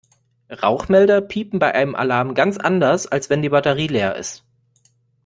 Rauchmelder piepen bei einem Alarm ganz anders, als wenn die Batterie leer ist.